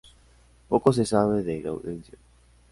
Poco se sabe de Gaudencio.